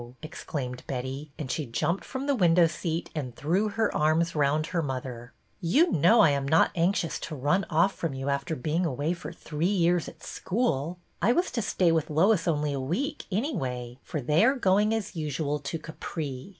exclaimed Betty, and she jumped from the window seat and threw her arms round her mother. " You know I am not anxious to run off from you after being away for three years at school. I was to stay with Lois only a week, anyway, for they are going as usual to Capri."